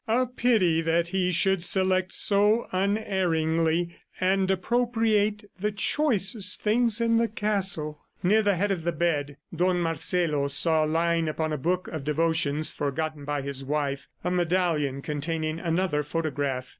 A pity that he should select so unerringly and appropriate the choicest things in the castle! Near the head of the bed, Don Marcelo saw lying upon a book of devotions forgotten by his wife, a medallion containing another photograph.